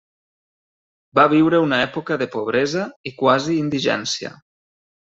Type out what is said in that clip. Va viure una època de pobresa i quasi indigència.